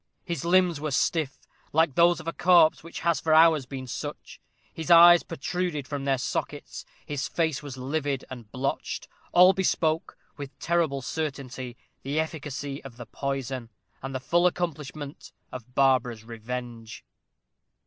His limbs were stiff, like those of a corpse which has for hours been such; his eyes protruded from their sockets; his face was livid and blotched. All bespoke, with terrible certainty, the efficacy of the poison, and the full accomplishment of Barbara's revenge.